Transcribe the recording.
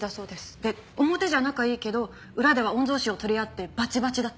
で表じゃ仲いいけど裏では御曹司を取り合ってバチバチだって。